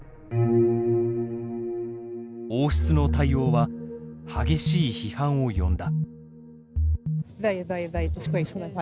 王室の対応は激しい批判を呼んだ。